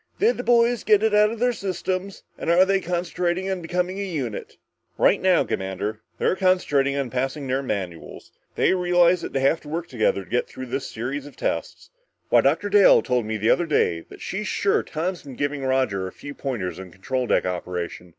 Did the boys get it out of their systems and are they concentrating on becoming a unit?" "Right now, Commander, they're concentrating on passing their manuals. They realize that they have to work together to get through this series of tests. Why, Dr. Dale told me the other day that she's sure Tom's been giving Roger a few pointers on control deck operation.